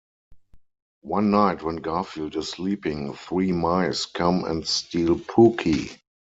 One night when Garfield is sleeping, three mice come and steal Pooky.